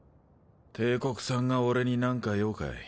帝国さんが俺になんか用かい？